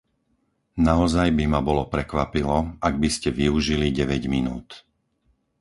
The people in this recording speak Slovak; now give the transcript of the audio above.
Naozaj by ma bolo prekvapilo, ak by ste využili deväť minút.